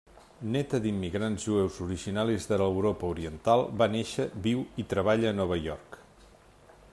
Néta d'immigrants jueus originaris de l'Europa Oriental, va néixer, viu i treballa a Nova York.